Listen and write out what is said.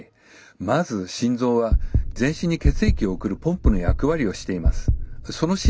まず心臓は全身に血液を送るポンプの役割をしています。